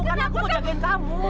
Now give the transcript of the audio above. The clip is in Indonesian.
karena aku mau jagain kamu